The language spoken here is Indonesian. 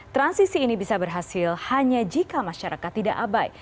transisi ini bisa berhasil hanya jika masyarakat tidak abai